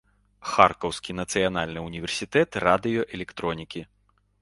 Харкаўскі нацыянальны ўніверсітэт радыёэлектронікі.